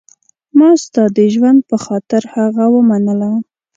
ما ستا د ژوند په خاطر هغه ومنله.